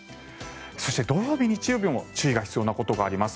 そして土曜日、日曜日も注意が必要なことがあります。